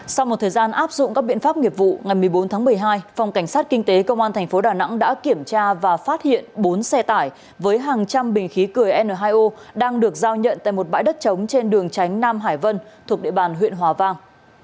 sau một thời gian áp dụng các biện pháp nghiệp vụ ngày một mươi bốn tháng một mươi hai phòng cảnh sát kinh tế công an tp đà nẵng đã kiểm tra và phát hiện bốn xe tải với hàng trăm bình khí cười n hai o đang được giao nhận tại một bãi đất trống trên đường tránh nam hải vân thuộc địa bàn huyện hòa vang